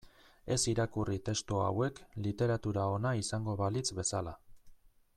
Ez irakurri testu hauek literatura ona izango balitz bezala.